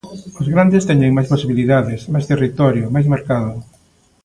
Os grandes teñen máis posibilidades, máis territorio, máis mercado.